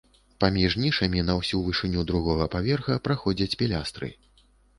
Паміж нішамі на ўсю вышыню другога паверха праходзяць пілястры.